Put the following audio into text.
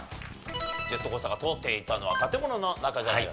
ジェットコースターが通っていたのは建物の中じゃないか。